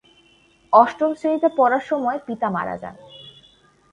অষ্টম শ্রেণীতে পড়ার সময় পিতা মারা যান।